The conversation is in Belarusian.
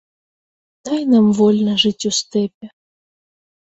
Дай нам вольна жыць у стэпе.